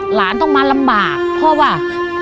หลานต้องมาลำบากเพราะว่า